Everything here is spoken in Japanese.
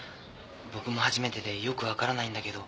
僕も初めてでよく分からないんだけど。